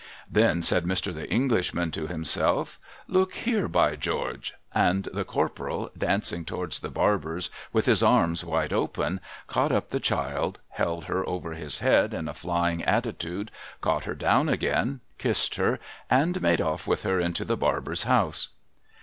Then said Mr, The Englishman to himself, ' Look here ! By George !' And the Corporal, dancing towards the Barber's with his arms wide open, caught up the child, held her over his head in a flying attitude, caught her down again, kissed her, and made off with her into the Barber's house.